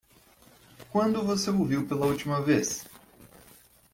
Quando você o viu pela última vez?